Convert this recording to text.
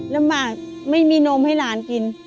ลำบากไม่มีนมให้หลานกิน